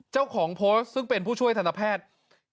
เจ้าของโพสต์ซึ่งเป็นผู้ช่วยทันตแพทย์